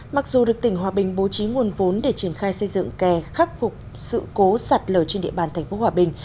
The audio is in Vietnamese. mặc dù được tỉnh hòa bình bố trí nguồn vốn để triển khai xây dựng kè khắc phục sự cố sạt lở trên địa bàn tp hòa bình